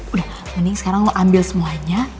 udah mending sekarang lo ambil semuanya